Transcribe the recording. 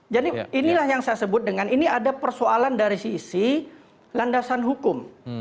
jadi inilah yang saya sebut dengan ini ada persoalan dari sisi landasan hukum